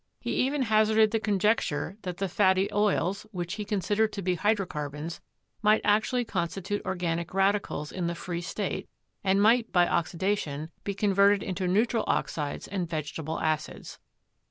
He even hazarded the conjecture that the fatty oils, which he considered to be hydrocarbons, might actu ally constitute organic radicals in the free state, and might, by oxidation, be converted into neutral oxides and vegetable acids.